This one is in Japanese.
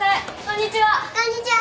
こんにちは。